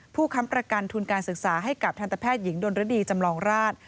ค้ำประกันทุนการศึกษาให้กับทันตแพทย์หญิงดนรดีจำลองราช